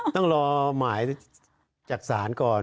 ต้องรอหมายจากศาลก่อน